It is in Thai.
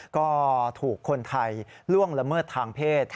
ก็ถูกคนไทยล่วงละเมิดทางเพศ